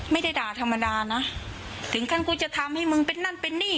ไม่ได้ด่าธรรมดานะถึงขั้นกูจะทำให้มึงเป็นนั่นเป็นนี่